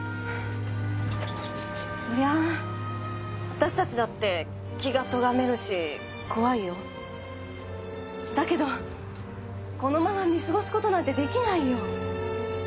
そりゃあ私たちだって気がとがめるし怖いよ。だけどこのまま見過ごす事なんてできないよ。